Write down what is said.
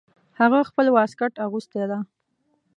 هغه خپل واسکټ اغوستی ده